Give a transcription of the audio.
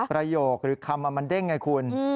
ประโยคหรือคำมันเด้งไงคุณ